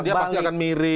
dia pasti akan miring